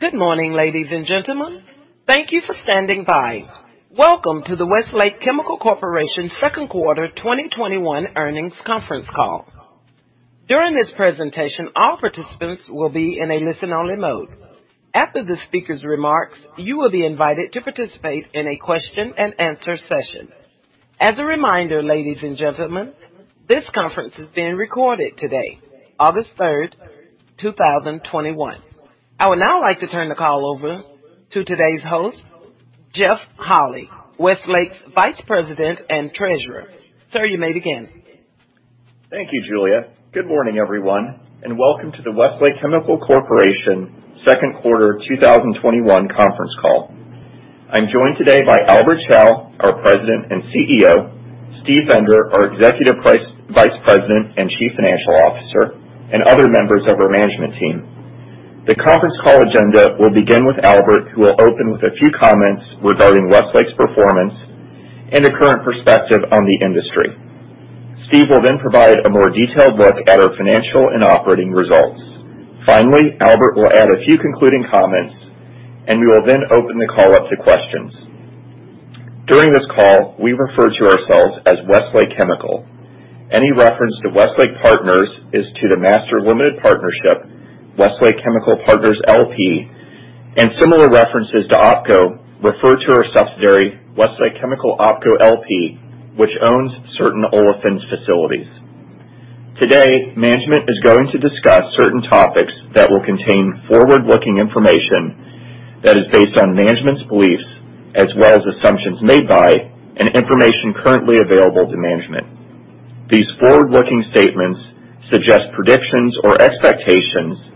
Good morning, ladies and gentlemen. Thank you for standing by. Welcome to the Westlake Chemical Corporation Second Quarter 2021 Earnings Conference Call. During this presentation, all participants will be in a listen-only mode. After the speaker's remarks, you will be invited to participate in a question and answer session. As a reminder, ladies and gentlemen, this conference is being recorded today, August 3rd, 2021. I would now like to turn the call over to today's host, Jeff Holy, Westlake's Vice President and Treasurer. Sir, you may begin. Thank you, Julia. Good morning, everyone, and welcome to the Westlake Chemical Corporation second quarter 2021 conference call. I'm joined today by Albert Chao, our President and CEO, Steve Bender, our Executive Vice President and Chief Financial Officer, and other members of our management team. The conference call agenda will begin with Albert, who will open with a few comments regarding Westlake's performance and the current perspective on the industry. Steve will provide a more detailed look at our financial and operating results. Finally, Albert will add a few concluding comments, and we will then open the call up to questions. During this call, we refer to ourselves as Westlake Chemical. Any reference to Westlake Partners is to the master limited partnership, Westlake Chemical Partners, LP, and similar references to OpCo refer to our subsidiary, Westlake Chemical OpCo LP, which owns certain olefins facilities. Today, management is going to discuss certain topics that will contain forward-looking information that is based on management's beliefs as well as assumptions made by and information currently available to management. These forward-looking statements suggest predictions or expectations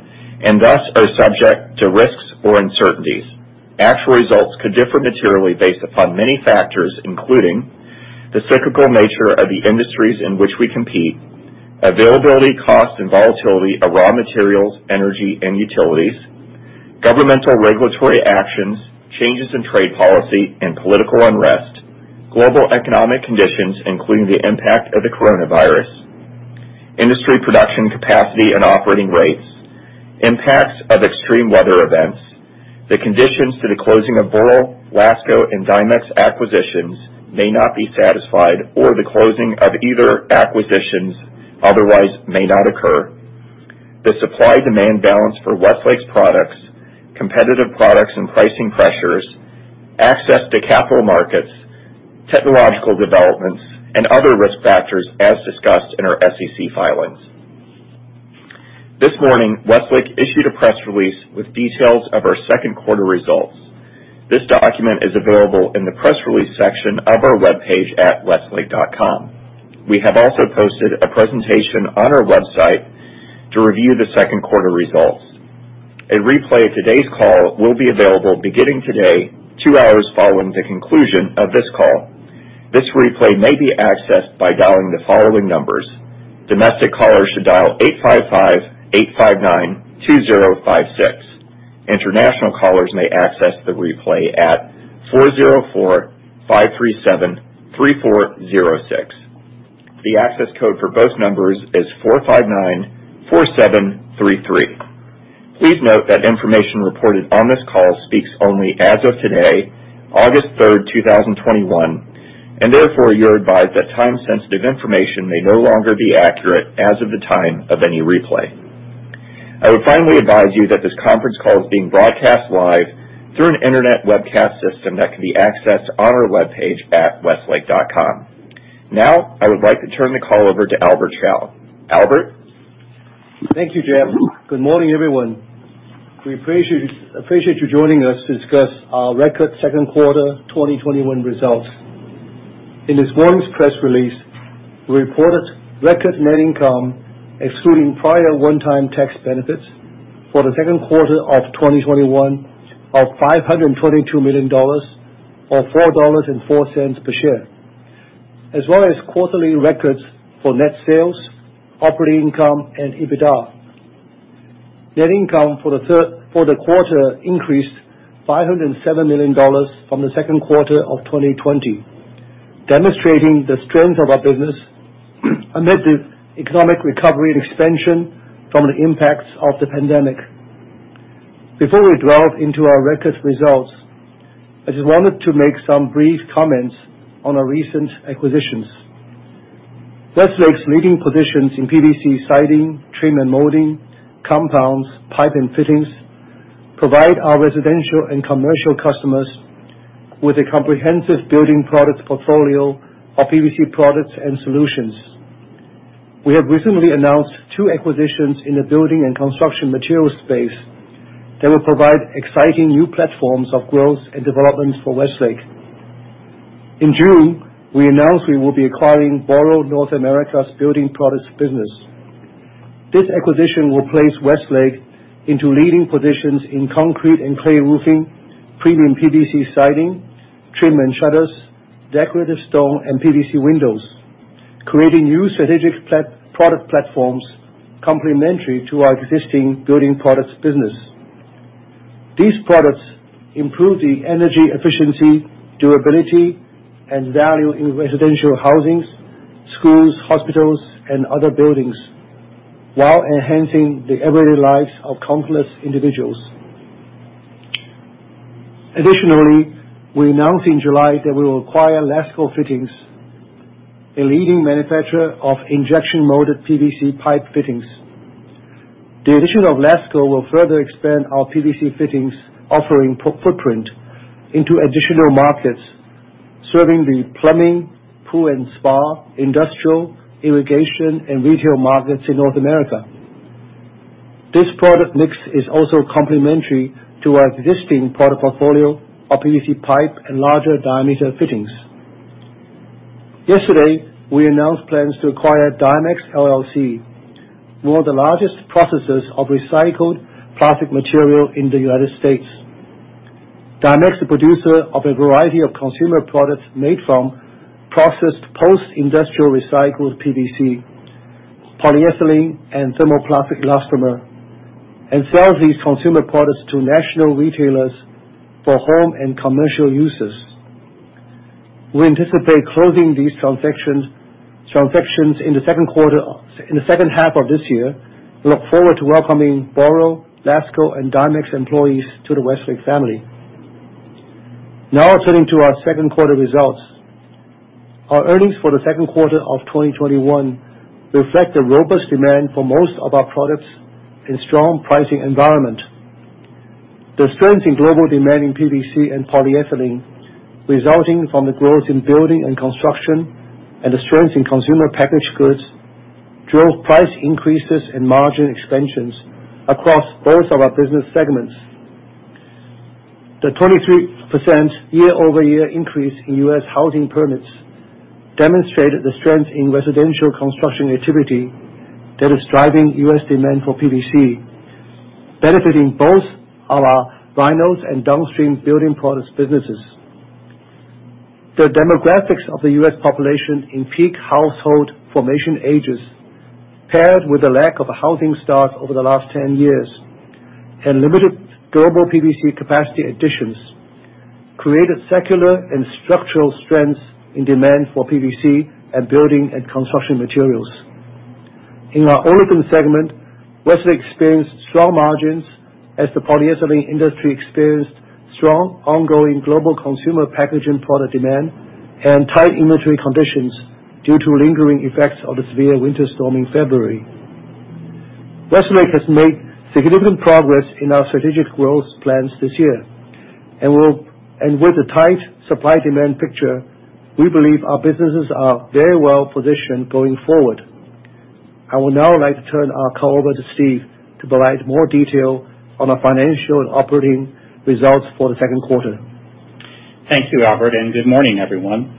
and thus are subject to risks or uncertainties. Actual results could differ materially based upon many factors, including the cyclical nature of the industries in which we compete, availability, cost, and volatility of raw materials, energy and utilities, governmental regulatory actions, changes in trade policy and political unrest, global economic conditions, including the impact of the coronavirus, industry production capacity and operating rates, impacts of extreme weather events. The conditions to the closing of Boral, LASCO, and Dimex acquisitions may not be satisfied, or the closing of either acquisition otherwise may not occur. The supply-demand balance for Westlake's products, competitive products and pricing pressures, access to capital markets, technological developments, and other risk factors as discussed in our SEC filings. This morning, Westlake issued a press release with details of our second quarter results. This document is available in the press release section of our webpage at westlake.com. We have also posted a presentation on our website to review the second quarter results. A replay of today's call will be available beginning today, two hours following the conclusion of this call. This replay may be accessed by dialing the following numbers. Domestic callers should dial 855-859-2056. International callers may access the replay at 404-537-3406. The access code for both numbers is 4594733. Please note that information reported on this call speaks only as of today, August 3rd, 2021, and therefore you're advised that time-sensitive information may no longer be accurate as of the time of any replay. I would finally advise you that this conference call is being broadcast live through an internet webcast system that can be accessed on our webpage at westlake.com. Now, I would like to turn the call over to Albert Chao. Albert? Thank you, Jeff. Good morning, everyone. We appreciate you joining us to discuss our record second quarter 2021 results. In this morning's press release, we reported record net income excluding prior one-time tax benefits for the second quarter of 2021 of $522 million or $4.04 per share, as well as quarterly records for net sales, operating income, and EBITDA. Net income for the quarter increased $507 million from the second quarter of 2020, demonstrating the strength of our business amid the economic recovery and expansion from the impacts of the pandemic. Before we delve into our record results, I just wanted to make some brief comments on our recent acquisitions. Westlake's leading positions in PVC siding, trim and molding, compounds, pipe and fittings provide our residential and commercial customers with a comprehensive building product portfolio of PVC products and solutions. We have recently announced two acquisitions in the building and construction materials space that will provide exciting new platforms of growth and development for Westlake. In June, we announced we will be acquiring Boral North America's building products business. This acquisition will place Westlake into leading positions in concrete and clay roofing, premium PVC siding, trim and shutters, decorative stone, and PVC windows, creating new strategic product platforms complementary to our existing building products business. These products improve the energy efficiency, durability, and value in residential housing, schools, hospitals, other buildings, while enhancing the everyday lives of countless individuals. Additionally, we announced in July that we will acquire LASCO Fittings, a leading manufacturer of injection molded PVC pipe fittings. The addition of LASCO will further expand our PVC fittings offering footprint into additional markets, serving the plumbing, pool and spa, industrial, irrigation and retail markets in North America. This product mix is also complementary to our existing product portfolio of PVC pipe and larger diameter fittings. Yesterday, we announced plans to acquire Dimex LLC, one of the largest processors of recycled plastic material in the U.S. Dimex, a producer of a variety of consumer products made from processed post-industrial recycled PVC, polyethylene and thermoplastic elastomer, and sells these consumer products to national retailers for home and commercial uses. We anticipate closing these transactions in the second half of this year and look forward to welcoming Boral, LASCO and Dimex employees to the Westlake family. Now turning to our second quarter results. Our earnings for the second quarter of 2021 reflect the robust demand for most of our products and strong pricing environment. The strength in global demand in PVC and polyethylene, resulting from the growth in building and construction and the strength in consumer packaged goods, drove price increases and margin expansions across both of our business segments. The 23% year-over-year increase in U.S. housing permits demonstrated the strength in residential construction activity that is driving U.S. demand for PVC, benefiting both our vinyls and downstream building products businesses. The demographics of the U.S. population in peak household formation ages, paired with the lack of housing starts over the last 10 years and limited global PVC capacity additions, created secular and structural strengths in demand for PVC and building and construction materials. In our Olefins segment, Westlake experienced strong margins as the polyethylene industry experienced strong ongoing global consumer packaging product demand and tight inventory conditions due to lingering effects of the severe winter storm in February. Westlake has made significant progress in our strategic growth plans this year, and with the tight supply-demand picture, we believe our businesses are very well positioned going forward. I would now like to turn our call over to Steve to provide more detail on our financial and operating results for the second quarter. Thank you, Albert, and good morning, everyone.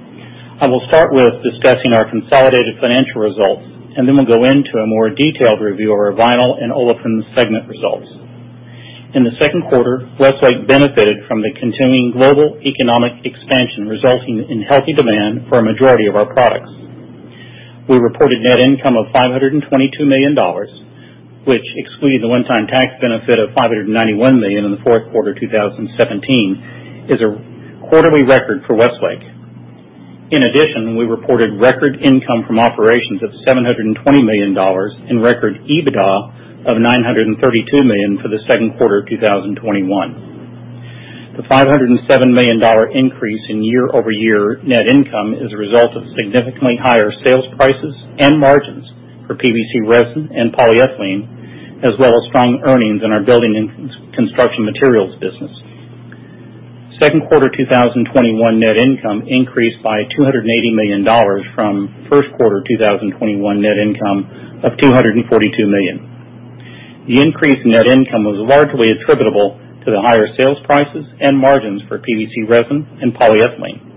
I will start with discussing our consolidated financial results, and then we'll go into a more detailed review of our Vinyl and Olefins segment results. In the second quarter, Westlake benefited from the continuing global economic expansion, resulting in healthy demand for a majority of our products. We reported net income of $522 million, which excluded the one-time tax benefit of $591 million in the fourth quarter of 2017, is a quarterly record for Westlake. In addition, we reported record income from operations of $720 million and record EBITDA of $932 million for the second quarter of 2021. The $507 million increase in year-over-year net income is a result of significantly higher sales prices and margins for PVC resin and polyethylene, as well as strong earnings in our building and construction materials business. Second quarter 2021 net income increased by $280 million from first quarter 2021 net income of $242 million. The increase in net income was largely attributable to the higher sales prices and margins for PVC resin and polyethylene.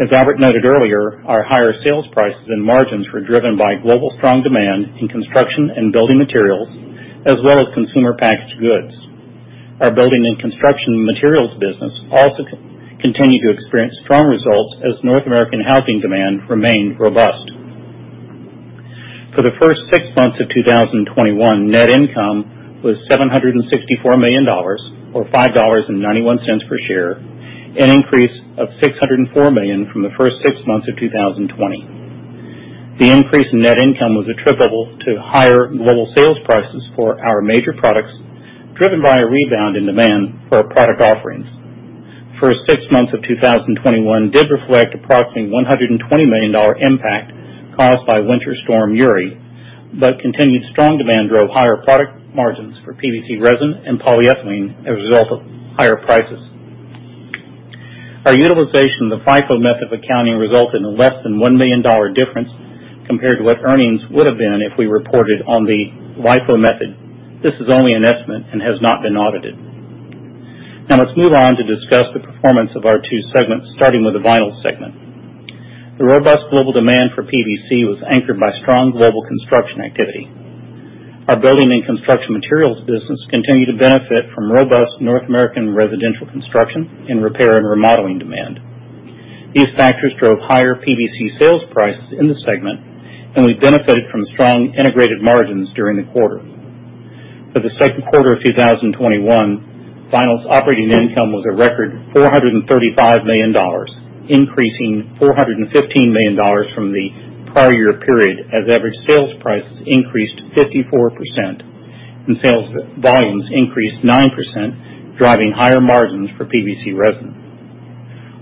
As Albert noted earlier, our higher sales prices and margins were driven by global strong demand in construction and building materials, as well as consumer packaged goods. Our building and construction materials business also continued to experience strong results as North American housing demand remained robust. For the first six months of 2021, net income was $764 million or $5.91 per share, an increase of $604 million from the first six months of 2020. The increase in net income was attributable to higher global sales prices for our major products, driven by a rebound in demand for our product offerings. First six months of 2021 did reflect approximately $120 million impact caused by Winter Storm Uri, but continued strong demand drove higher product margins for PVC resin and polyethylene as a result of higher prices. Our utilization of the FIFO method of accounting resulted in a less than $1 million difference compared to what earnings would have been if we reported on the LIFO method. This is only an estimate and has not been audited. Let's move on to discuss the performance of our two segments, starting with the Vinyl segment. The robust global demand for PVC was anchored by strong global construction activity. Our building and construction materials business continued to benefit from robust North American residential construction in repair and remodeling demand. These factors drove higher PVC sales prices in the segment, and we benefited from strong integrated margins during the quarter. For the second quarter of 2021, Vinyls operating income was a record $435 million, increasing $415 million from the prior year period as average sales prices increased 54% and sales volumes increased 9%, driving higher margins for PVC resin.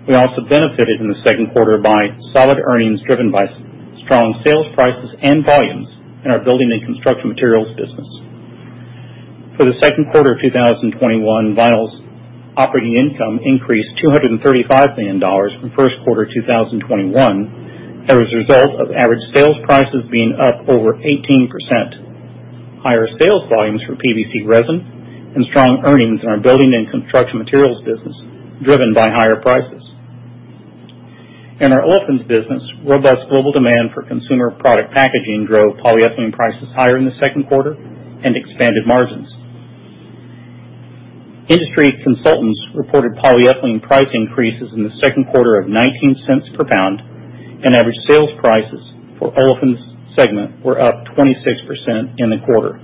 We also benefited in the second quarter by solid earnings driven by strong sales prices and volumes in our building and construction materials business. For the second quarter of 2021, Vinyls operating income increased $235 million from first quarter 2021 as a result of average sales prices being up over 18%, higher sales volumes from PVC resin, and strong earnings in our building and construction materials business, driven by higher prices. In our Olefins business, robust global demand for consumer product packaging drove polyethylene prices higher in the second quarter and expanded margins. Industry consultants reported polyethylene price increases in the second quarter of $0.19 per pound and average sales prices for Olefins segment were up 26% in the quarter.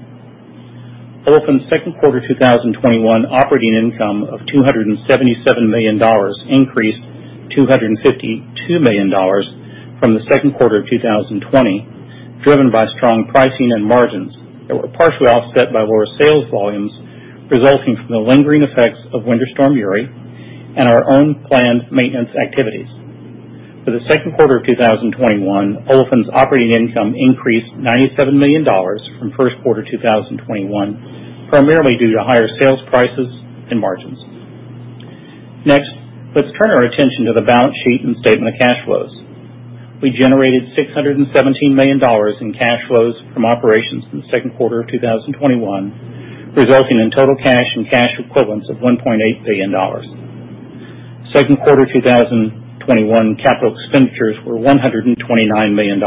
Olefins second quarter 2021 operating income of $277 million increased to $252 million from the second quarter of 2020, driven by strong pricing and margins that were partially offset by lower sales volumes resulting from the lingering effects of Winter Storm Uri and our own planned maintenance activities. For the second quarter of 2021, Olefins operating income increased $97 million from first quarter 2021, primarily due to higher sales prices and margins. Next, let's turn our attention to the balance sheet and statement of cash flows. We generated $617 million in cash flows from operations in Q2 2021, resulting in total cash and cash equivalents of $1.8 billion. Second quarter 2021 capital expenditures were $129 million.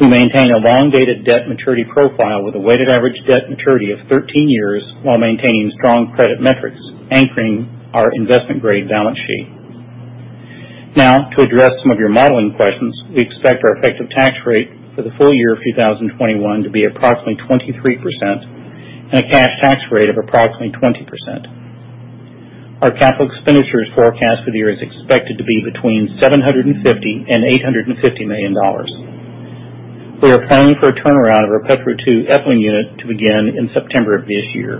We maintain a long-dated debt maturity profile with a weighted average debt maturity of 13 years while maintaining strong credit metrics anchoring our investment-grade balance sheet. Now, to address some of your modeling questions, we expect our effective tax rate for the full year of 2021 to be approximately 23% and a cash tax rate of approximately 20%. Our capital expenditures forecast for the year is expected to be between $750 million-$850 million. We are planning for a turnaround of our Petro II Ethylene Unit to begin in September of this year.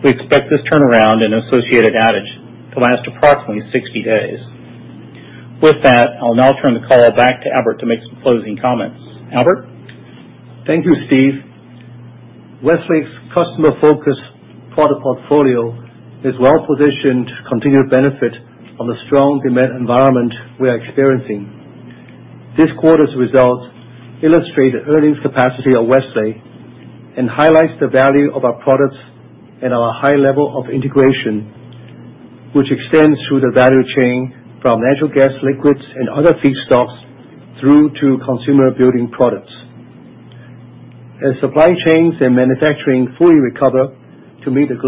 We expect this turnaround and associated outage to last approximately 60 days. With that, I'll now turn the call back to Albert to make some closing comments. Albert? Thank you, Steve. Westlake's customer-focused product portfolio is well positioned to continue to benefit from the strong demand environment we are experiencing. This quarter's results illustrate the earnings capacity of Westlake and highlights the value of our products and our high level of integration, which extends through the value chain from natural gas liquids and other feedstocks through to consumer building products. As supply chains and manufacturing fully recover to meet the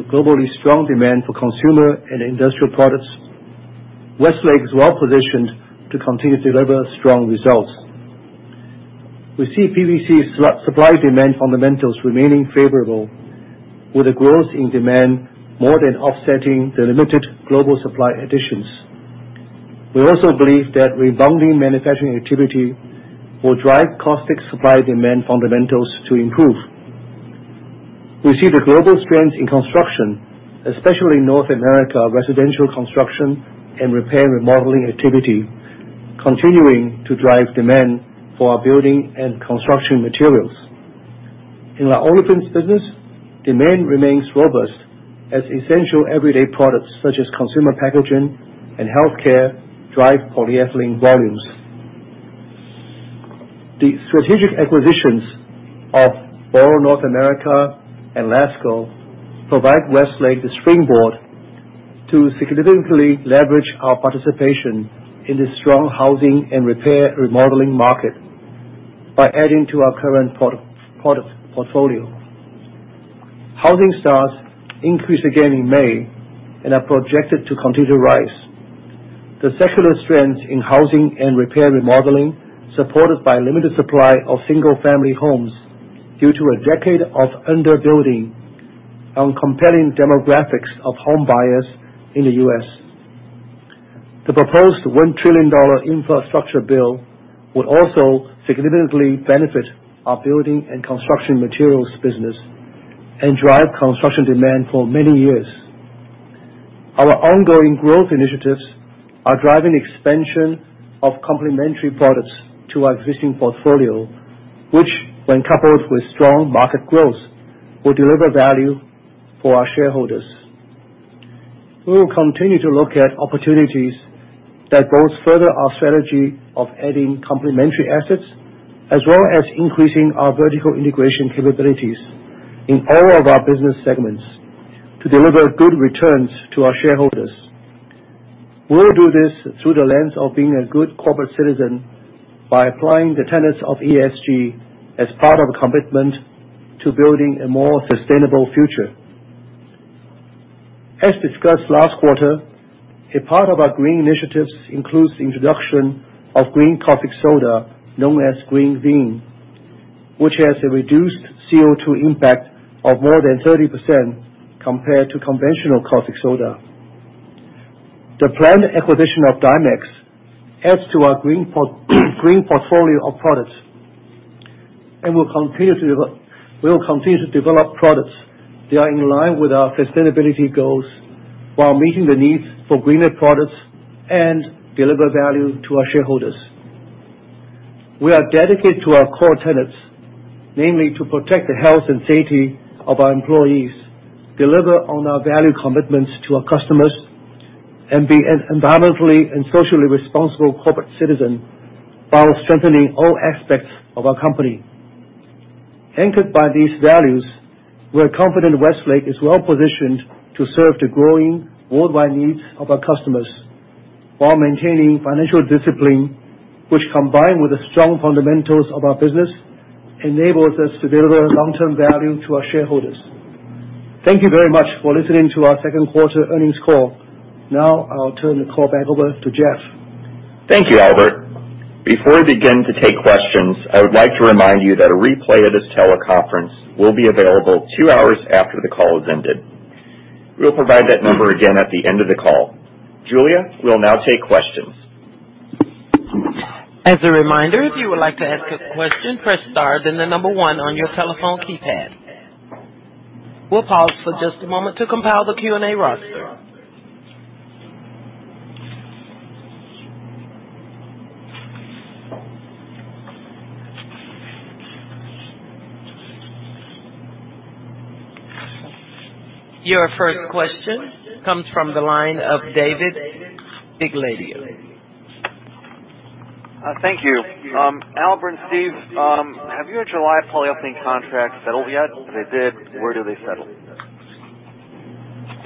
globally strong demand for consumer and industrial products, Westlake is well positioned to continue to deliver strong results. We see PVC supply-demand fundamentals remaining favorable with a growth in demand more than offsetting the limited global supply additions. We also believe that rebounding manufacturing activity will drive caustic supply-demand fundamentals to improve. We see the global strength in construction, especially North America residential construction and repair/remodeling activity, continuing to drive demand for our building and construction materials. In our Olefins business, demand remains robust as essential everyday products such as consumer packaging and healthcare drive polyethylene volumes. The strategic acquisitions of Boral North America and LASCO provide Westlake the springboard to significantly leverage our participation in the strong housing and repair/remodeling market by adding to our current product portfolio. Housing starts increased again in May and are projected to continue to rise. The secular strength in housing and repair/remodeling, supported by limited supply of single-family homes due to a decade of under-building on compelling demographics of home buyers in the U.S. The proposed $1 trillion infrastructure bill would also significantly benefit our building and construction materials business and drive construction demand for many years. Our ongoing growth initiatives are driving expansion of complementary products to our existing portfolio, which when coupled with strong market growth, will deliver value for our shareholders. We will continue to look at opportunities that both further our strategy of adding complementary assets as well as increasing our vertical integration capabilities in all of our business segments to deliver good returns to our shareholders. We will do this through the lens of being a good corporate citizen by applying the tenets of ESG as part of a commitment to building a more sustainable future. As discussed last quarter, a part of our green initiatives includes the introduction of green caustic soda, known as GreenVin, which has a reduced CO2 impact of more than 30% compared to conventional caustic soda. The planned acquisition of Dimex adds to our green portfolio of products. We will continue to develop products that are in line with our sustainability goals while meeting the needs for greener products and deliver value to our shareholders. We are dedicated to our core tenets, namely, to protect the health and safety of our employees, deliver on our value commitments to our customers, and be an environmentally and socially responsible corporate citizen while strengthening all aspects of our company. Anchored by these values, we are confident Westlake is well-positioned to serve the growing worldwide needs of our customers while maintaining financial discipline, which combined with the strong fundamentals of our business, enables us to deliver long-term value to our shareholders. Thank you very much for listening to our second quarter earnings call. Now I'll turn the call back over to Jeff. Thank you, Albert. Before we begin to take questions, I would like to remind you that a replay of this teleconference will be available two hours after the call has ended. We'll provide that number again at the end of the call. Julia, we'll now take questions. As a reminder, if you would like to ask a question, press star, then the number one on your telephone keypad. We'll pause for just a moment to compile the Q&A roster. Your first question comes from the line of David Begleiter. Thank you. Albert Chao and Steve Bender, have your July polyethylene contract settled yet? If they did, where do they settle?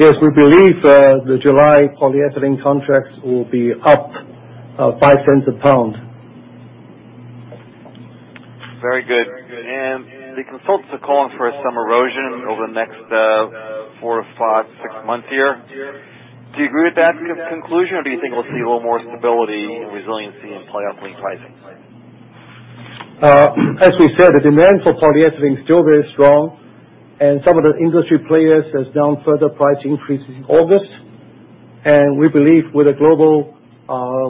Yes, we believe the July polyethylene contracts will be up $0.05 a pound. Very good. The consultants are calling for some erosion over the next four to five, six months here. Do you agree with that conclusion or do you think we'll see a little more stability and resiliency in polyethylene pricing? As we said, the demand for polyethylene is still very strong and some of the industry players has announced further price increases in August. We believe with a global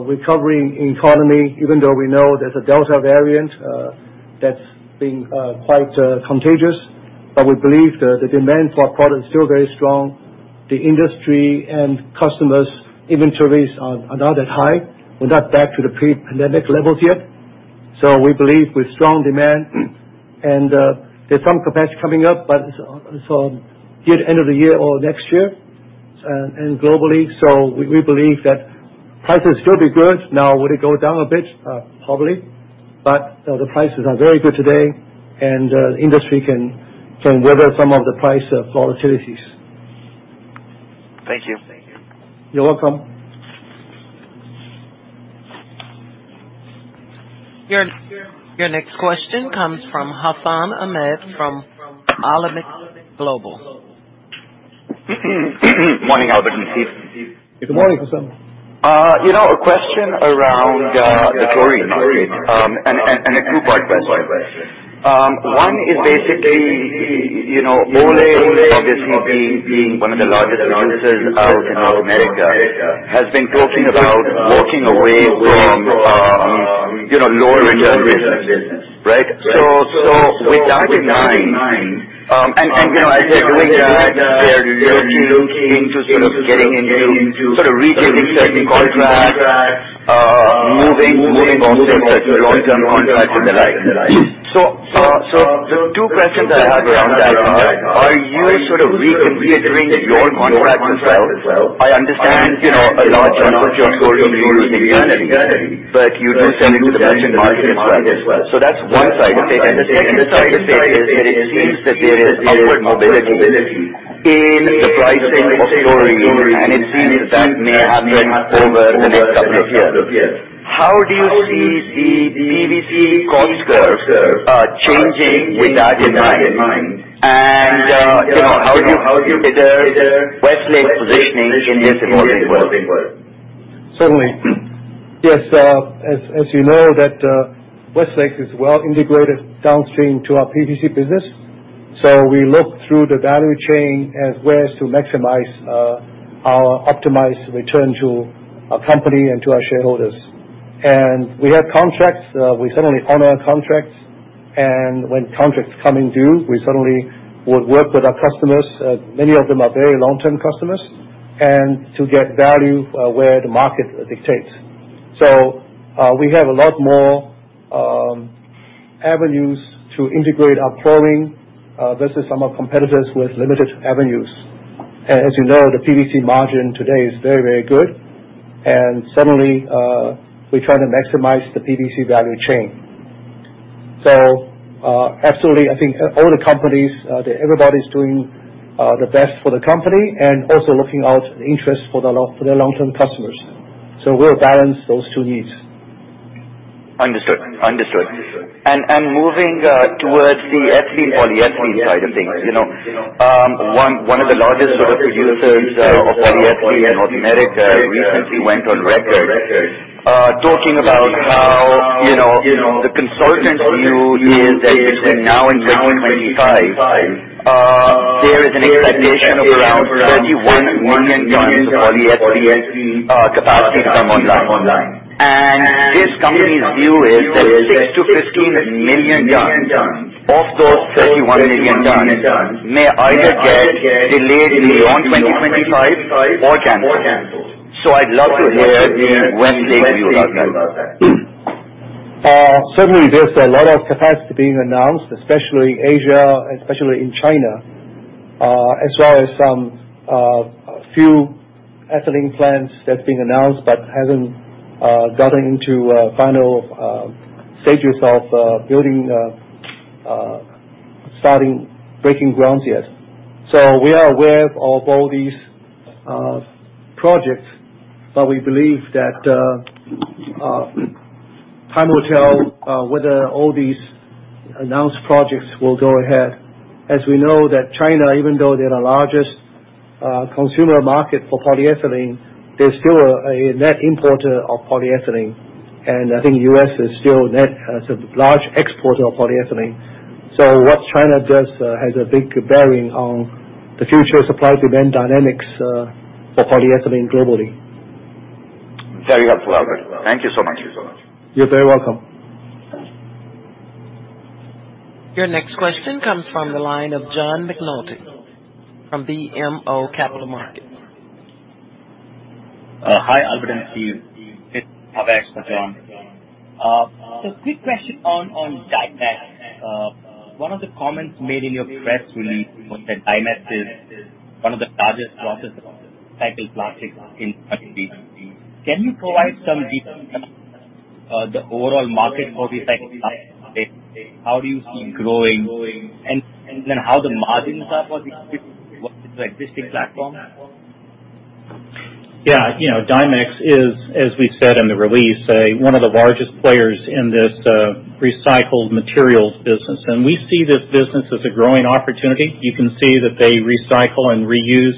recovering economy, even though we know there's a Delta variant that's being quite contagious, but we believe the demand for our product is still very strong. The industry and customers inventories are not that high. We're not back to the pre-pandemic levels yet. We believe with strong demand, and there's some capacity coming up, but it's on year end of the year or next year, and globally. We believe that prices will be good. Now, would it go down a bit? Probably. The prices are very good today and the industry can weather some of the price volatilities. Thank you. You're welcome. Your next question comes from Hassan Ahmed from Alembic Global Advisors. Morning, Albert and Steve. Good morning, Hassan. A question around the chlorine update, and a two-part question. One is basically, Olin, obviously being one of the largest producers out in North America, has been talking about walking away from lower integration business, right? With that in mind, and I said earlier that they're looking into sort of getting into sort of rethinking certain contracts, moving certain long-term contracts and the like. The two questions I have around that are you sort of reconsidering your contracts as well? I understand a large chunk of your chlorine is integrated, but you do sell into the merchant market as well. That's one side of it. The second side of it is that it seems that there is upward mobility in the pricing of chlorine, and it seems that that may happen over the next couple of years. How do you see the PVC cost curve changing with that in mind? How do you consider Westlake's positioning in this evolving world? Certainly. Yes. As you know, that Westlake is well integrated downstream to our PVC business. We look through the value chain as where to maximize our optimized return to our company and to our shareholders. We have contracts. We certainly honor our contracts. When contracts come in due, we certainly would work with our customers, many of them are very long-term customers, and to get value where the market dictates. We have a lot more avenues to integrate our chlorine versus some of competitors with limited avenues. As you know, the PVC margin today is very good. Certainly, we try to maximize the PVC value chain. Absolutely, I think all the companies, everybody's doing the best for the company and also looking out interest for their long-term customers. We'll balance those two needs. Understood. Moving towards the ethylene polyethylene side of things. One of the largest sort of producers of polyethylene in North America recently went on record talking about how the consultant's view is that between now and 2025, there is an expectation of around 31 million tons of polyethylene capacity to come online. This company's view is that 6 million-15 million tons of those 31 million tons may either get delayed beyond 2025 or canceled. I'd love to hear the Westlake view about that. Certainly, there's a lot of capacity being announced, especially in Asia, especially in China. As well as some few ethylene plants that's being announced but hasn't gotten into final stages of building, starting, breaking grounds yet. We are aware of all these projects. We believe that time will tell whether all these announced projects will go ahead. As we know that China, even though they're the largest consumer market for polyethylene, they're still a net importer of polyethylene. I think U.S. is still a large exporter of polyethylene. What China does has a big bearing on the future supply-demand dynamics for polyethylene globally. Very helpful, Albert. Thank you so much. You're very welcome. Your next question comes from the line of John McNulty from BMO Capital Markets. Hi, Albert Chao and Steve. It's [Abey] for John. Quick question on Dimex. One of the comments made in your press release was that Dimex is one of the largest processors of recycled plastics in the country. Can you provide some detail on the overall market for recycled plastics? How do you see it growing, and then how the margins are for the existing platform? Dimex is, as we said in the release, one of the largest players in this recycled materials business. We see this business as a growing opportunity. You can see that they recycle and reuse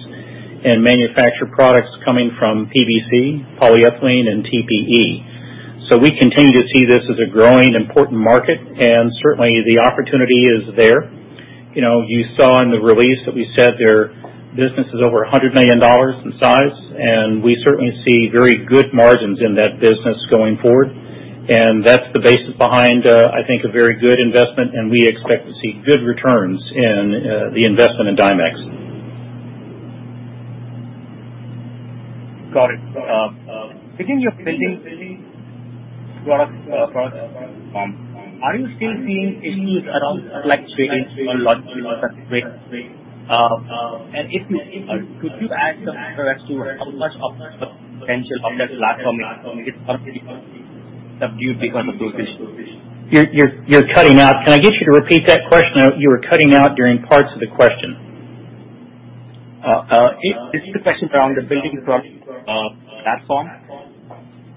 and manufacture products coming from PVC, polyethylene, and TPE. We continue to see this as a growing important market, and certainly the opportunity is there. You saw in the release that we said their business is over $100 million in size, and we certainly see very good margins in that business going forward. That's the basis behind, I think, a very good investment, and we expect to see good returns in the investment in Dimex. Got it. Within your building products business, are you still seeing issues around supply chains and logistics constraints? If you could you add some color as to how much of the potential of that platform is currently subdued because of those issues? You're cutting out. Can I get you to repeat that question? You were cutting out during parts of the question. This is a question around the building products platform.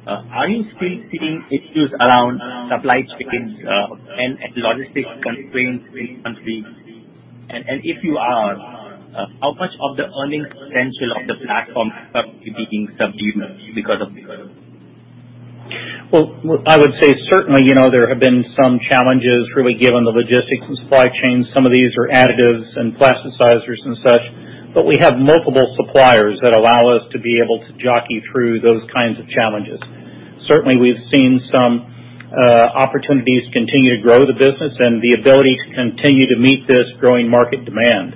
Are you still seeing issues around supply chains and logistics constraints in the country? If you are, how much of the earnings potential of the platform is currently being subdued because of this? Well, I would say certainly, there have been some challenges really given the logistics and supply chains. Some of these are additives and plasticizers and such. We have multiple suppliers that allow us to be able to jockey through those kinds of challenges. Certainly, we've seen some opportunities continue to grow the business and the ability to continue to meet this growing market demand.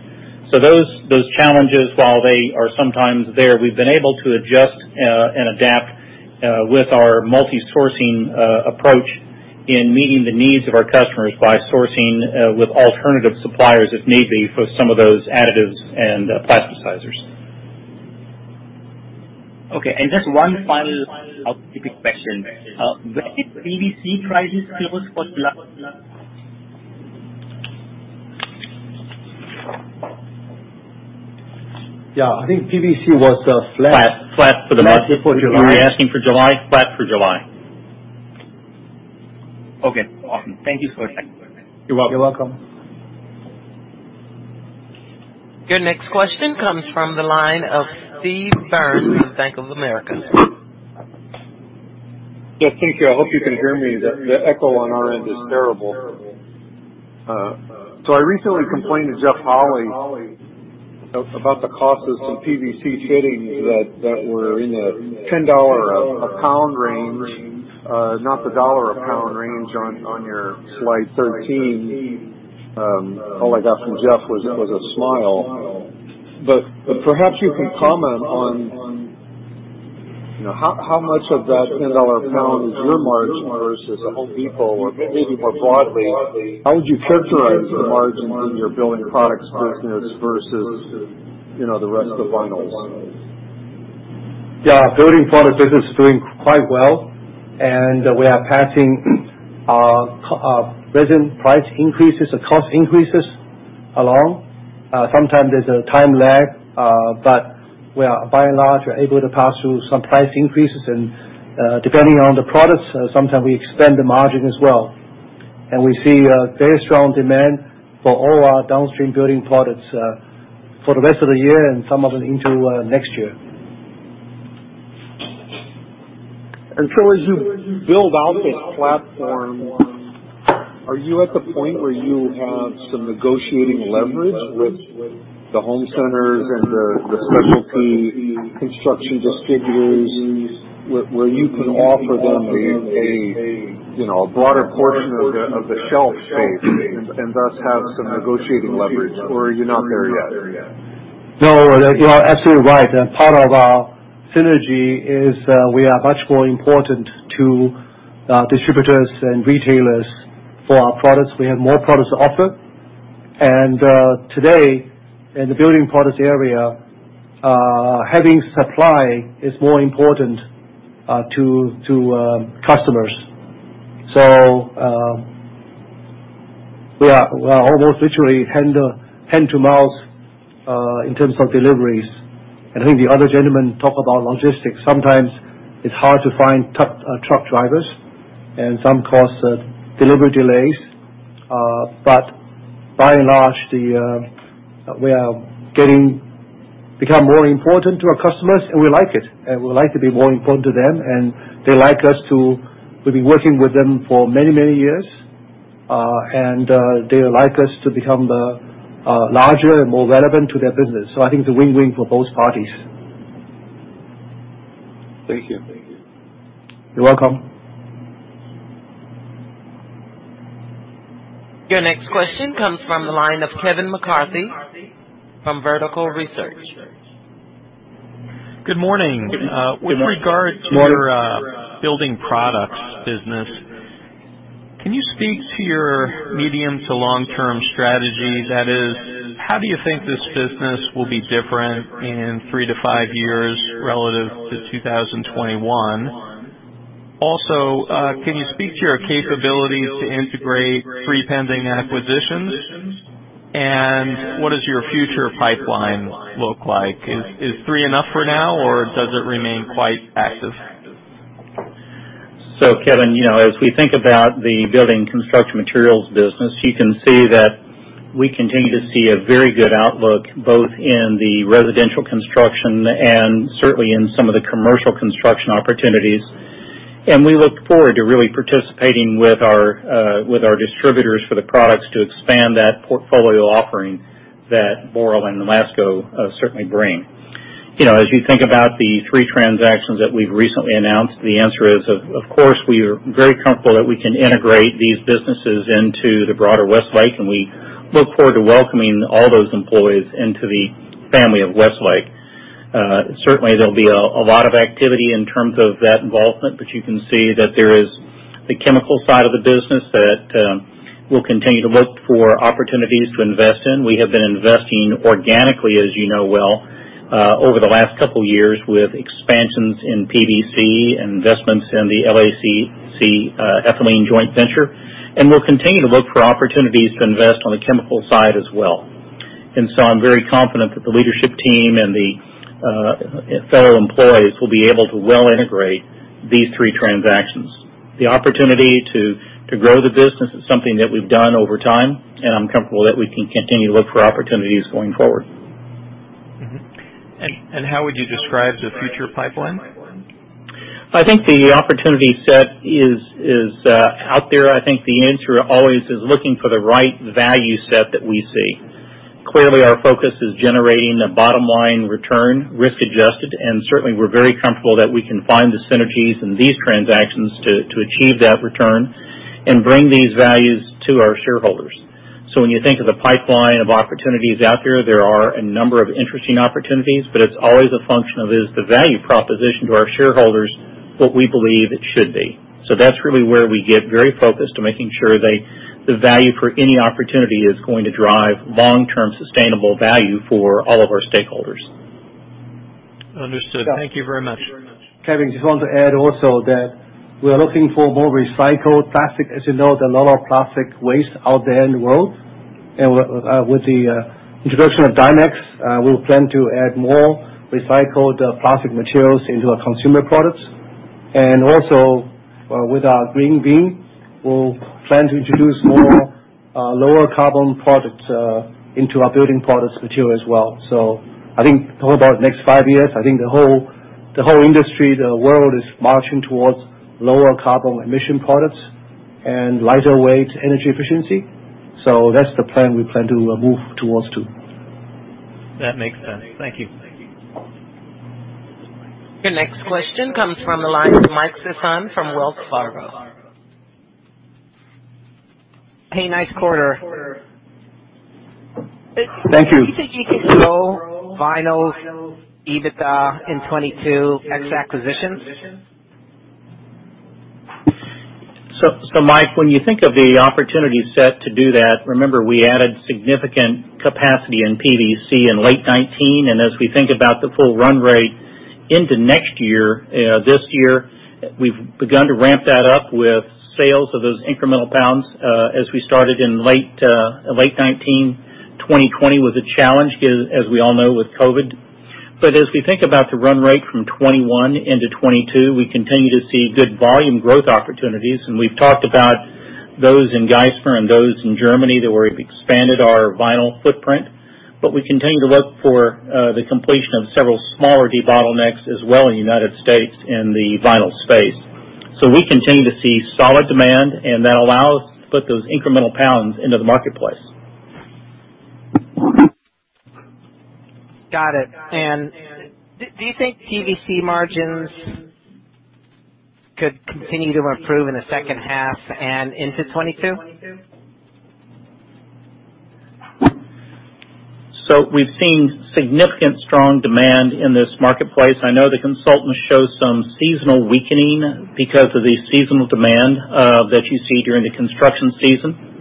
Those challenges, while they are sometimes there, we've been able to adjust and adapt with our multi-sourcing approach in meeting the needs of our customers by sourcing with alternative suppliers, if need be, for some of those additives and plasticizers. Okay, and just one final topic question. Where did PVC prices close for July? Yeah. I think PVC was flat. Flat for the month. Flat for July. Are you asking for July? Flat for July. Okay, awesome. Thank you so much. You're welcome. You're welcome. Your next question comes from the line of Steve Byrne from Bank of America. Yes, thank you. I hope you can hear me. The echo on our end is terrible. I recently complained to Jeff Holy about the cost of some PVC fittings that were in the $10 a pound range, not the $1 a pound range on your slide 13. All I got from Jeff was a smile. Perhaps you can comment on how much of that $10 a pound is your margin versus a Home Depot or maybe more broadly, how would you characterize the margin in your building products business versus the rest of the vinyls? Yeah. Building product business is doing quite well, and we are passing our resin price increases, the cost increases along. Sometimes there's a time lag. By and large, we're able to pass through some price increases. Depending on the products, sometimes we extend the margin as well. We see a very strong demand for all our downstream building products for the rest of the year and some of it into next year. As you build out this platform, are you at the point where you have some negotiating leverage with the home centers and the specialty construction distributors, where you can offer them a broader portion of the shelf space and thus have some negotiating leverage, or are you not there yet? No, you are absolutely right. Part of our synergy is we are much more important to distributors and retailers for our products. We have more products to offer. Today, in the building products area, having supply is more important to customers. We are almost literally hand to mouth in terms of deliveries. I think the other gentleman talked about logistics. Sometimes it's hard to find truck drivers, and some cause delivery delays. By and large, we are becoming more important to our customers, and we like it. We like to be more important to them, and we've been working with them for many years. They like us to become larger and more relevant to their business. I think it's a win-win for both parties. Thank you. You're welcome. Your next question comes from the line of Kevin McCarthy from Vertical Research Partners. Good morning. Good morning. With regard to your building products business, can you speak to your medium to long-term strategy? That is, how do you think this business will be different in three to five years relative to 2021? Also, can you speak to your capability to integrate three pending acquisitions? What does your future pipeline look like? Is three enough for now, or does it remain quite active? Kevin, as we think about the building construction materials business, you can see that we continue to see a very good outlook, both in the residential construction and certainly in some of the commercial construction opportunities. We look forward to really participating with our distributors for the products to expand that portfolio offering that Boral and LASCO certainly bring. As you think about the three transactions that we've recently announced, the answer is, of course, we are very comfortable that we can integrate these businesses into the broader Westlake, and we look forward to welcoming all those employees into the family of Westlake. Certainly, there'll be a lot of activity in terms of that involvement, you can see that there is the chemical side of the business that we'll continue to look for opportunities to invest in. We have been investing organically, as you know well, over the last couple of years, with expansions in PVC and investments in the LACC ethylene joint venture. We'll continue to look for opportunities to invest on the chemical side as well. I'm very confident that the leadership team and the fellow employees will be able to well integrate these three transactions. The opportunity to grow the business is something that we've done over time, and I'm comfortable that we can continue to look for opportunities going forward. Mm-hmm. How would you describe the future pipeline? I think the opportunity set is out there. I think the answer always is looking for the right value set that we see. Clearly, our focus is generating a bottom-line return, risk-adjusted. Certainly, we're very comfortable that we can find the synergies in these transactions to achieve that return and bring these values to our shareholders. When you think of the pipeline of opportunities out there are a number of interesting opportunities, but it's always a function of is the value proposition to our shareholders what we believe it should be. That's really where we get very focused on making sure the value for any opportunity is going to drive long-term sustainable value for all of our stakeholders. Understood. Thank you very much. Kevin, I just want to add also that we are looking for more recycled plastic. As you know, there's a lot of plastic waste out there in the world. With the introduction of Dimex, we plan to add more recycled plastic materials into our consumer products. Also, with our GreenVin, we'll plan to introduce more lower carbon products into our building products material as well. I think talking about the next five years, I think the whole industry, the world is marching towards lower carbon emission products and lighter weight energy efficiency. That's the plan we plan to move towards too. That makes sense. Thank you. Your next question comes from the line of Mike Sison from Wells Fargo. Hey, nice quarter. Thank you. Do you think you could grow Vinyls EBITDA in 2022 ex acquisitions? Mike, when you think of the opportunity set to do that, remember, we added significant capacity in PVC in late 2019. As we think about the full run rate into next year. This year, we've begun to ramp that up with sales of those incremental pounds as we started in late 2019. 2020 was a challenge, as we all know, with COVID. As we think about the run rate from 2021 into 2022, we continue to see good volume growth opportunities. We've talked about those in Geismar and those in Germany, where we've expanded our vinyl footprint. We continue to look for the completion of several smaller debottlenecks as well in the U.S. in the vinyl space. We continue to see solid demand, and that allows us to put those incremental pounds into the marketplace. Got it. Do you think PVC margins could continue to improve in the second half and into 2022? We've seen significant strong demand in this marketplace. I know the consultants show some seasonal weakening because of the seasonal demand that you see during the construction season.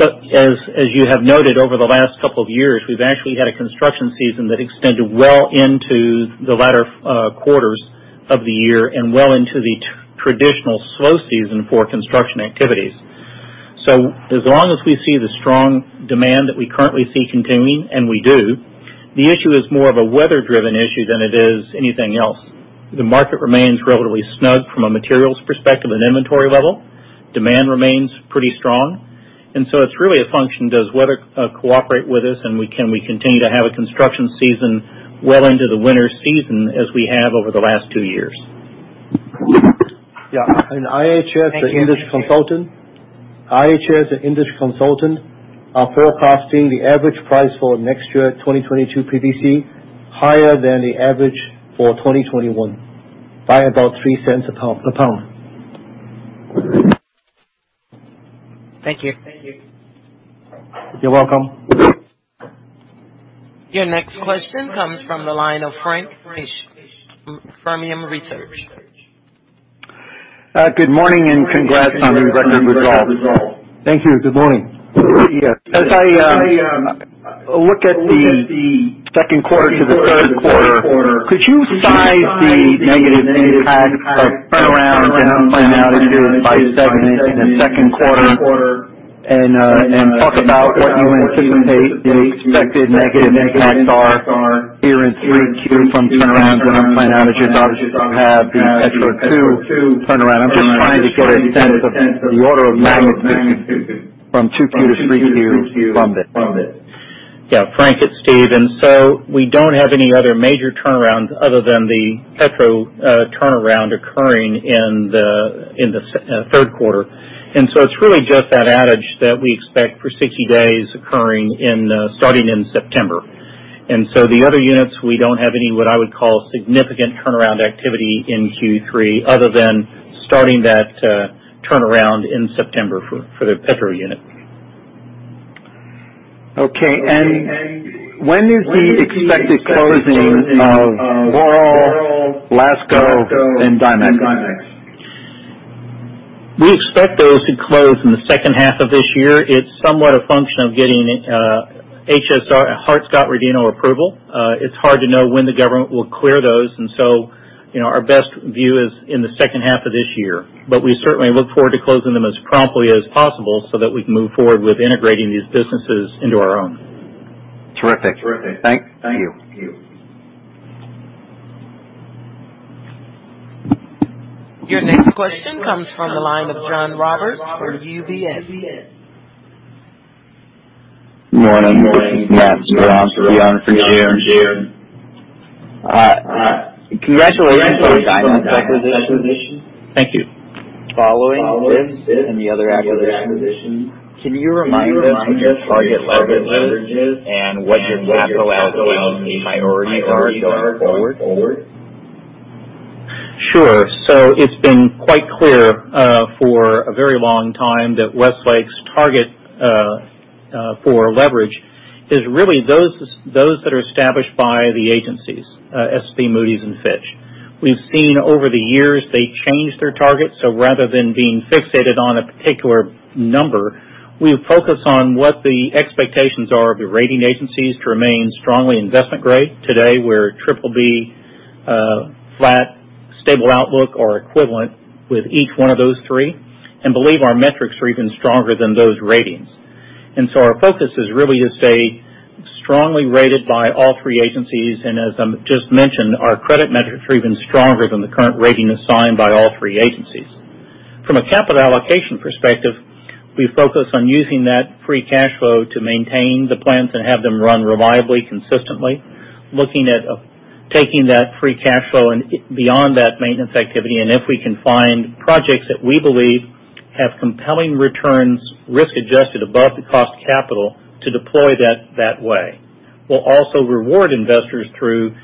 As you have noted over the last couple of years, we've actually had a construction season that extended well into the latter quarters of the year and well into the traditional slow season for construction activities. As long as we see the strong demand that we currently see continuing, and we do, the issue is more of a weather driven issue than it is anything else. The market remains relatively snug from a materials perspective and inventory level. Demand remains pretty strong, and it's really a function of does weather cooperate with us, and can we continue to have a construction season well into the winter season as we have over the last two years? Yeah. IHS, the industry consultant, are forecasting the average price for next year, 2022 PVC, higher than the average for 2021 by about $0.03 a pound. Thank you. You're welcome. Your next question comes from the line of Frank Mitsch, Fermium Research. Good morning and congrats on the record results. Thank you. Good morning. As I look at the second quarter to the third quarter, could you size the negative impact of turnaround and unplanned outages by segment in the second quarter, and talk about what you anticipate the expected negative impacts are here in 3Q from turnaround and unplanned outages? Obviously, you have the Petro II turnaround. I am just trying to get a sense of the order of magnitude from 2Q to 3Q from it. Yeah. Frank, it's Steve. We don't have any other major turnaround other than the Petro turnaround occurring in the third quarter. It's really just that outage that we expect for 60 days occurring starting in September. The other units, we don't have any, what I would call significant turnaround activity in Q3 other than starting that turnaround in September for the Petro unit. Okay. When is the expected closing of Boral, LASCO and Dimex? We expect those to close in the second half of this year. It's somewhat a function of getting HSR, Hart-Scott-Rodino approval. It's hard to know when the government will clear those. Our best view is in the second half of this year. We certainly look forward to closing them as promptly as possible so that we can move forward with integrating these businesses into our own. Terrific. Thank you. Your next question comes from the line of John Roberts for UBS. Congratulations on the Dimex acquisition. Thank you. Following this and the other acquisitions, can you remind us what your target leverage is and what your capital allocation priorities are going forward? Sure. It's been quite clear for a very long time that Westlake's target for leverage is really those that are established by the agencies, S&P, Moody's and Fitch. We've seen over the years they change their targets. Rather than being fixated on a particular number, we focus on what the expectations are of the rating agencies to remain strongly investment grade. Today, we're BBB flat, stable outlook or equivalent with each one of those three, and believe our metrics are even stronger than those ratings. Our focus is really to stay strongly rated by all three agencies. As I just mentioned, our credit metrics are even stronger than the current rating assigned by all three agencies. From a capital allocation perspective, we focus on using that free cash flow to maintain the plants and have them run reliably, consistently. Looking at taking that free cash flow and beyond that maintenance activity, and if we can find projects that we believe have compelling returns, risk adjusted above the cost of capital to deploy that way. We'll also reward investors through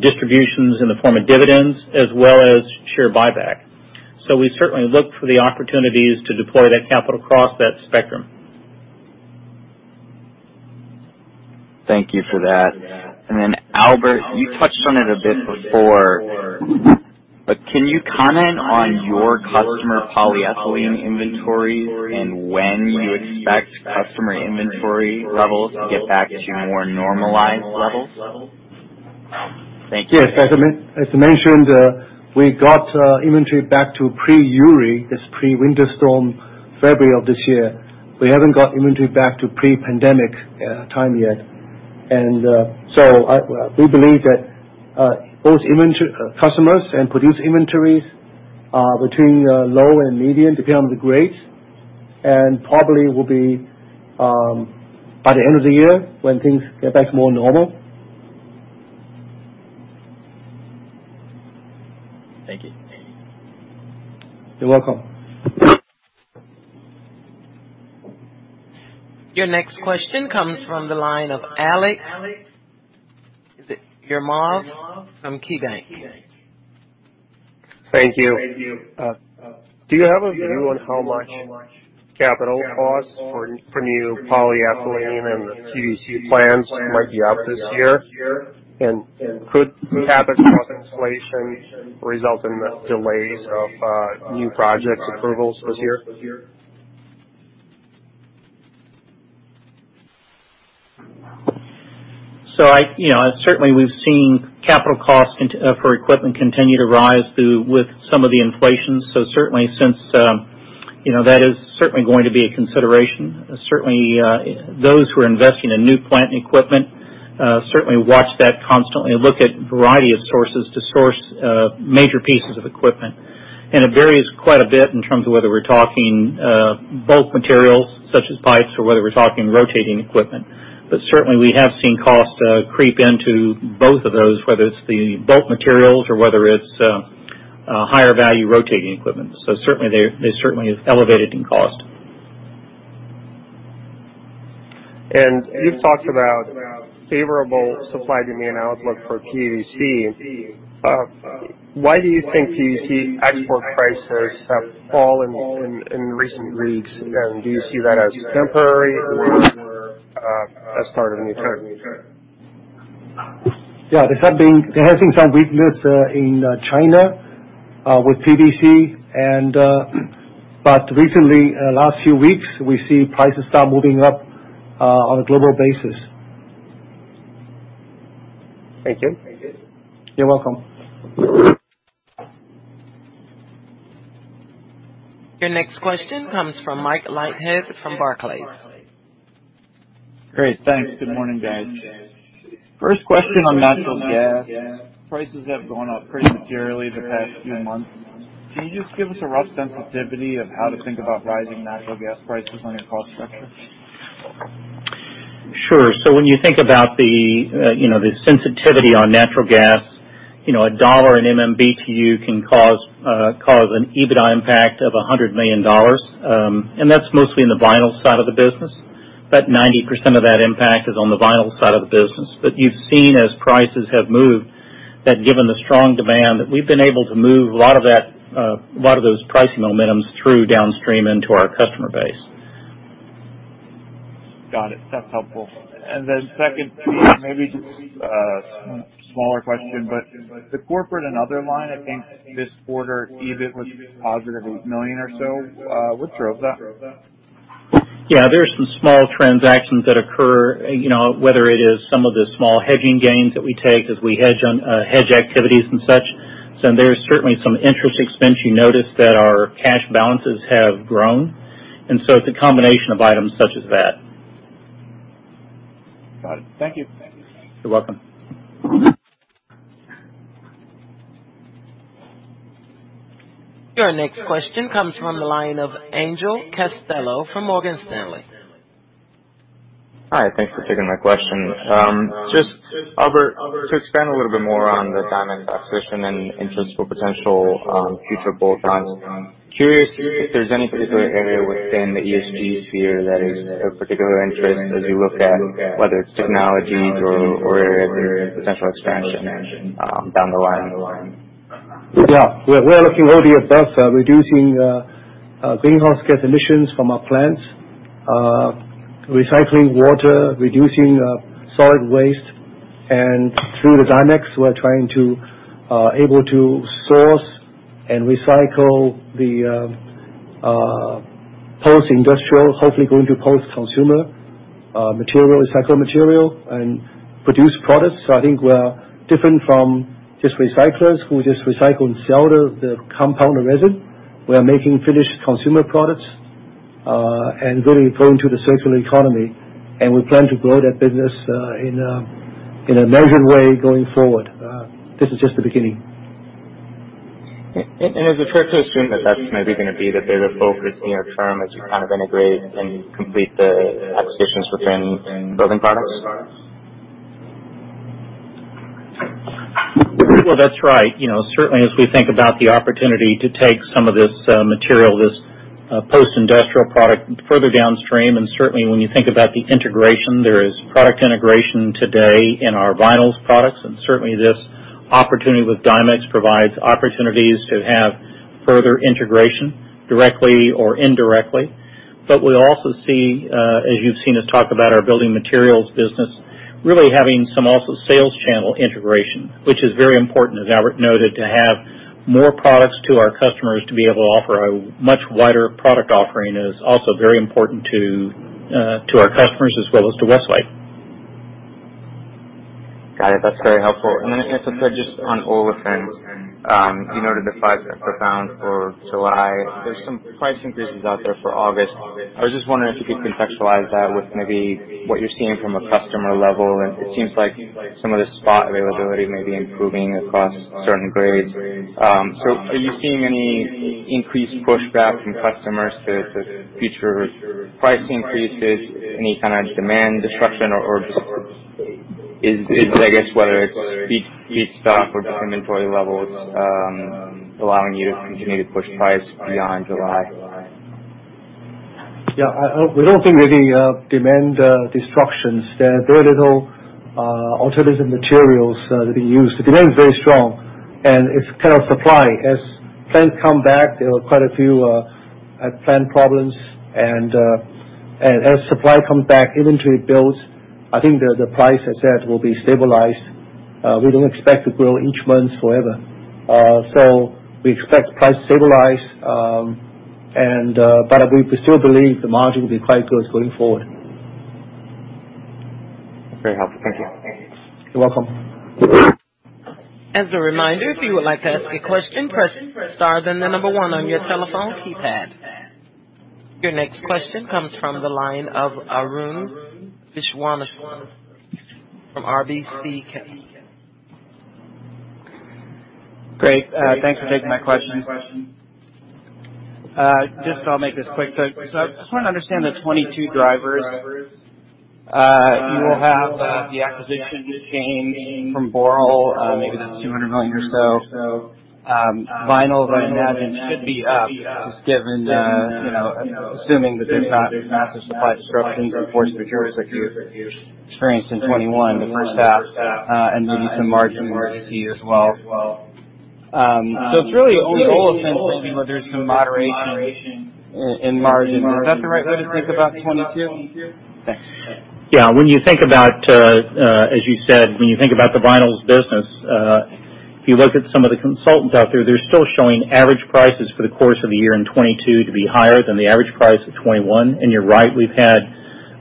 distributions in the form of dividends as well as share buyback. We certainly look for the opportunities to deploy that capital across that spectrum. Thank you for that. Albert, you touched on it a bit before. Can you comment on your customer polyethylene inventories and when you expect customer inventory levels to get back to more normalized levels? Thank you. Yes. As I mentioned, we got inventory back to pre-Uri, that's pre-Winter Storm February of this year. We haven't got inventory back to pre-pandemic time yet. We believe that both customers and produced inventories are between low and medium, depending on the grade, and probably will be by the end of the year when things get back more normal. Thank you. You're welcome. Your next question comes from the line of Aleksey Yefremov from KeyBanc Capital Markets. Thank you. Do you have a view on how much capital costs for new polyethylene and the PVC plants might be up this year? Could capital cost inflation result in the delays of new project approvals this year? Certainly we've seen capital costs for equipment continue to rise with some of the inflation. Certainly that is going to be a consideration. Certainly, those who are investing in new plant and equipment certainly watch that constantly and look at a variety of sources to source major pieces of equipment. It varies quite a bit in terms of whether we're talking bulk materials such as pipes or whether we're talking rotating equipment. Certainly we have seen costs creep into both of those, whether it's the bulk materials or whether it's higher value rotating equipment. They certainly have elevated in cost. You've talked about favorable supply demand outlook for PVC. Why do you think PVC export prices have fallen in recent weeks? Do you see that as temporary or as part of near term? Yeah. There has been some weakness in China with PVC and but recently, last few weeks, we see prices start moving up on a global basis. Thank you. You're welcome. Your next question comes from Michael Leithead from Barclays. Great. Thanks. Good morning, guys. First question on natural gas. Prices have gone up pretty materially the past few months. Can you just give us a rough sensitivity of how to think about rising natural gas prices on your cost structure? Sure. When you think about the sensitivity on natural gas, $1/MMBtu can cause an EBITDA impact of $100 million. That's mostly in the vinyl side of the business. About 90% of that impact is on the vinyl side of the business. You've seen as prices have moved, that given the strong demand, that we've been able to move a lot of those price momentums through downstream into our customer base. Got it. That's helpful. Second, maybe just a smaller question, but the corporate and other line, I think this quarter, EBIT was positive $8 million or so. What drove that? Yeah. There are some small transactions that occur, whether it is some of the small hedging gains that we take as we hedge on activities and such. There is certainly some interest expense. You notice that our cash balances have grown. It's a combination of items such as that. Got it. Thank you. You're welcome. Your next question comes from the line of Angel Castillo from Morgan Stanley. Hi. Thanks for taking my question. Just Albert, to expand a little bit more on the Dimex acquisition and interest for potential future bolt-ons, curious if there's any particular area within the ESG sphere that is of particular interest as you look at whether it's technologies or potential expansion down the line? Yeah. We are looking already at both reducing greenhouse gas emissions from our plants, recycling water, reducing solid waste, and through the Dimex, we're trying to able to source and recycle the post-industrial, hopefully going to post-consumer recycled material and produce products. I think we're different from just recyclers who just recycle and sell the compound resin. We are making finished consumer products, and really going to the circular economy, and we plan to grow that business in a measured way going forward. This is just the beginning. Is it fair to assume that that's maybe going to be the bigger focus near-term as you integrate and complete the acquisitions within building products? Well, that's right. Certainly as we think about the opportunity to take some of this material, this post-industrial product further downstream, and certainly when you think about the integration, there is product integration today in our vinyls products, and certainly this opportunity with Dimex provides opportunities to have further integration directly or indirectly. We also see, as you've seen us talk about our building materials business, really having some also sales channel integration, which is very important, as Albert noted, to have more products to our customers to be able to offer a much wider product offering is also very important to our customers as well as to Westlake. Got it. That's very helpful. If I could, just on olefins. You noted the price that proposed for July. There's some price increases out there for August. I was just wondering if you could contextualize that with maybe what you're seeing from a customer level. It seems like some of the spot availability may be improving across certain grades. Are you seeing any increased pushback from customers to future price increases? Any kind of demand destruction or is it, I guess, whether it's feedstock or different inventory levels allowing you to continue to push price beyond July? Yeah, we don't think there's any demand destructions there. Very little alternative materials that being used. Demand is very strong, and it's kind of supply. As plants come back, there were quite a few plant problems. As supply comes back, inventory builds. I think the price, as said, will be stabilized. We don't expect to grow each month forever. We expect price to stabilize, but we still believe the margin will be quite good going forward. Very helpful. Thank you. You're welcome. Your next question comes from the line of Arun Viswanathan from RBC Capital. Great. Thanks for taking my question. Just I'll make this quick. I just want to understand the 2022 drivers. You will have the acquisition chain from Boral, maybe that's $200 million or so. Vinyls, I imagine, should be up, just given assuming that there's not massive supply disruptions or force majeure like you experienced in 2021 the first half, and maybe some margin we see as well. It's really only Olefins where there's some moderation in margin. Is that the right way to think about 2022? Thanks. Yeah, as you said, when you think about the Vinyls business, if you look at some of the consultants out there, they're still showing average prices for the course of the year in 2022 to be higher than the average price of 2021. You're right, we've had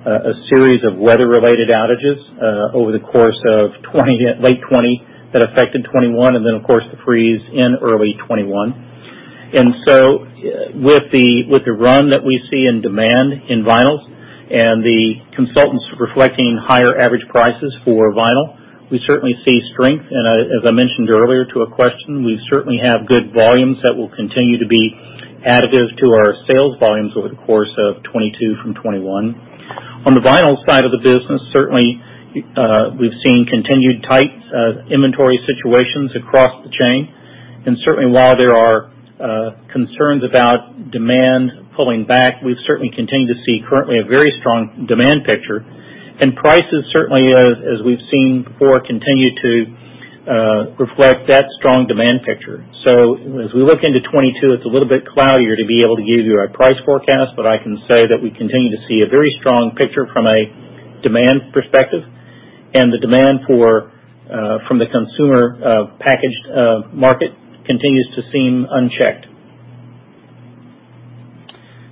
a series of weather-related outages over the course of late 2020 that affected 2021, then, of course, the freeze in early 2021. So with the run that we see in demand in Vinyls and the consultants reflecting higher average prices for Vinyl, we certainly see strength. As I mentioned earlier to a question, we certainly have good volumes that will continue to be additive to our sales volumes over the course of 2022 from 2021. On the Vinyls side of the business, certainly we've seen continued tight inventory situations across the chain. Certainly, while there are concerns about demand pulling back, we've certainly continued to see currently a very strong demand picture. Prices certainly, as we've seen before, continue to reflect that strong demand picture. As we look into 2022, it's a little bit cloudier to be able to give you a price forecast. I can say that we continue to see a very strong picture from a demand perspective, and the demand from the consumer packaged market continues to seem unchecked.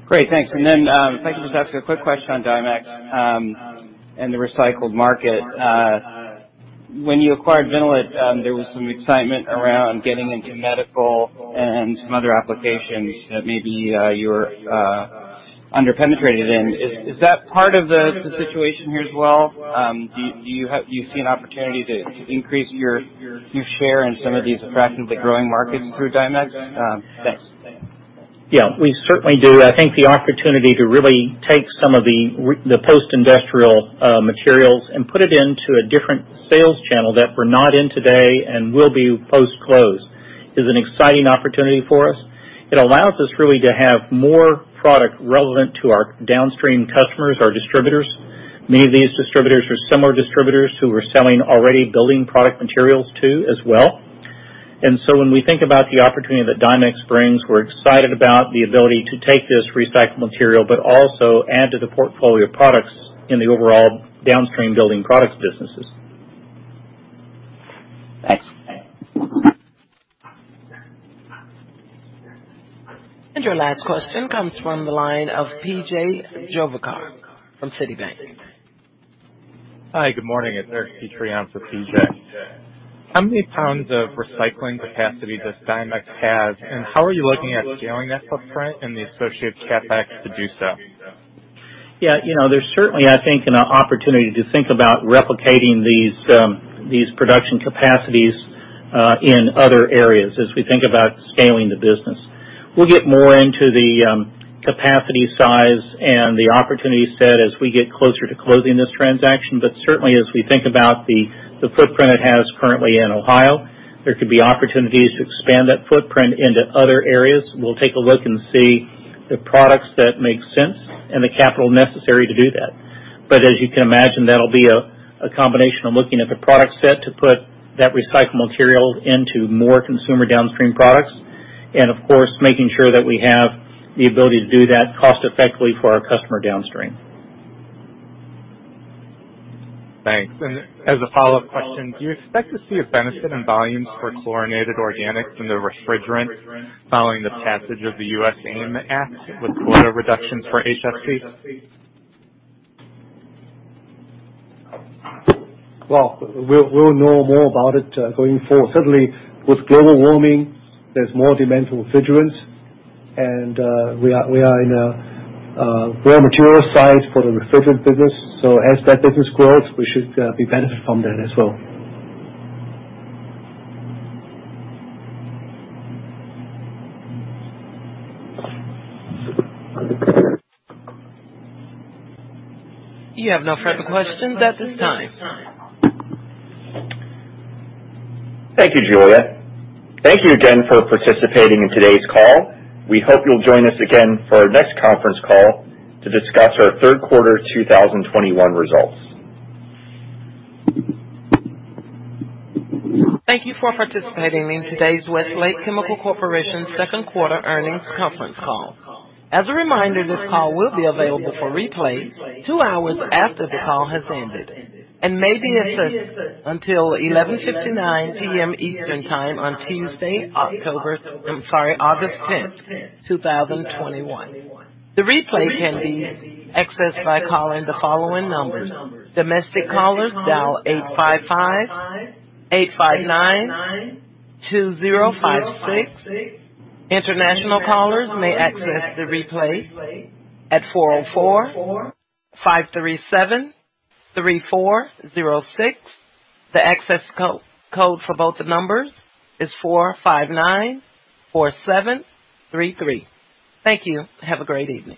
Great, thanks. If I could just ask a quick question on Dimex and the recycled market. When you acquired Vinnolit, there was some excitement around getting into medical and some other applications that maybe you're under-penetrated in. Is that part of the situation here as well? Do you see an opportunity to increase your share in some of these attractively growing markets through Dimex? Thanks. Yeah, we certainly do. I think the opportunity to really take some of the post-industrial materials and put it into a different sales channel that we're not in today and will be post-close is an exciting opportunity for us. It allows us really to have more product relevant to our downstream customers, our distributors. Many of these distributors are similar distributors who we're selling already building product materials to as well. When we think about the opportunity that Dimex brings, we're excited about the ability to take this recycled material, but also add to the portfolio of products in the overall downstream building products businesses. Thanks. Your last question comes from the line of P.J. Juvekar from Citi. Hi, good morning. It's Eric Petrie for P.J. How many tons of recycling capacity does Dimex have, and how are you looking at scaling that footprint and the associated CapEx to do so? Yeah, there's certainly, I think, an opportunity to think about replicating these production capacities in other areas as we think about scaling the business. We'll get more into the capacity size and the opportunity set as we get closer to closing this transaction. Certainly, as we think about the footprint it has currently in Ohio, there could be opportunities to expand that footprint into other areas. We'll take a look and see the products that make sense and the capital necessary to do that. As you can imagine, that'll be a combination of looking at the product set to put that recycled material into more consumer downstream products. Of course, making sure that we have the ability to do that cost-effectively for our customer downstream. Thanks. As a follow-up question, do you expect to see a benefit in volumes for chlorinated organics from the refrigerant following the passage of the US AIM Act with quota reductions for HFC? Well, we'll know more about it going forward. Certainly, with global warming, there's more demand for refrigerants, and we are in a rare material site for the refrigerant business. As that business grows, we should benefit from that as well. You have no further questions at this time. Thank you, Julia. Thank you again for participating in today's call. We hope you'll join us again for our next conference call to discuss our third quarter 2021 results. Thank you for participating in today's Westlake Chemical Corporation second quarter earnings conference call. As a reminder, this call will be available for replay two hours after the call has ended and may be accessed until 11:59 PM Eastern Time on Tuesday, August 10th, 2021. The replay can be accessed by calling the following numbers: Domestic callers dial 855-859-2056. International callers may access the replay at 445-373-406. The access code for both the numbers is 4594733. Thank you. Have a great evening.